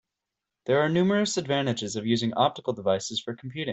There are numerous advantages of using optical devices for computing.